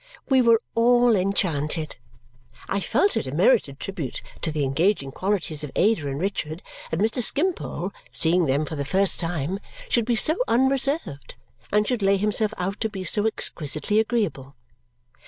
We were all enchanted. I felt it a merited tribute to the engaging qualities of Ada and Richard that Mr. Skimpole, seeing them for the first time, should be so unreserved and should lay himself out to be so exquisitely agreeable.